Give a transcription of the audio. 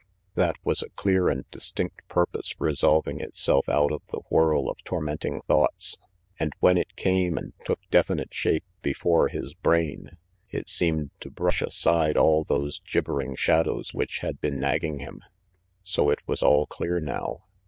That was a clear and distinct purpose resolving itself out of the whirl of tormenting thoughts, and when it came and took definite shape before his brain it seemed to brush aside all those gibbering shadows which had been nagging him. So, it was all clear now.